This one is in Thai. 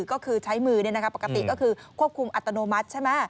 ก็คือใช้มือปกติคือควบคุมอัตโนมัติ